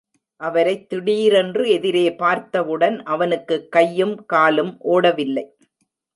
அவரைத் திடீரென்று எதிரே பார்த்தவுடன் அவனுக்கு கையும் காலும் ஒடவில்லை.